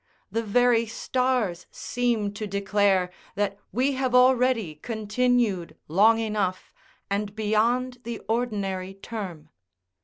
The very stars seem to declare that we have already continued long enough, and beyond the ordinary term.